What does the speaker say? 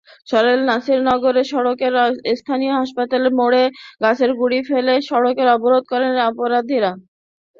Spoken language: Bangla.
সরাইল-নাসিরনগর সড়কের স্থানীয় হাসপাতাল মোড়ে গাছের গুঁড়ি ফেলে সড়কে অবরোধ করেন অবরোধকারীরা।